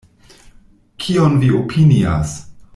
Kion vi opinias?